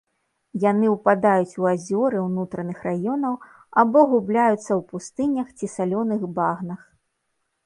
Яны ўпадаюць у азёры ўнутраных раёнаў або губляюцца ў пустынях ці салёных багнах.